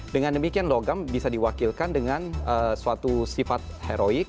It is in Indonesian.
dengan demikian logam bisa diwakilkan dengan suatu sifat heroik